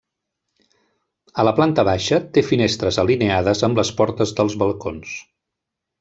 A la planta baixa té finestres alineades amb les portes dels balcons.